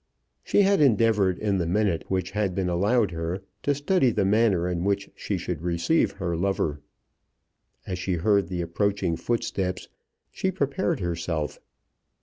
She had endeavoured in the minute which had been allowed her to study the manner in which she should receive her lover. As she heard the approaching footsteps, she prepared herself.